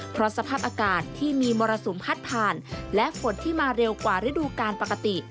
เพราะสภาพอากาศที่มีมรสุมพัดผ่านและฝนที่มาเร็วกว่าฤดูการปกติ